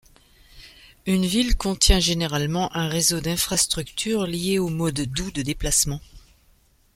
Une ville contient généralement un réseau d'infrastructures liées aux modes doux de déplacements.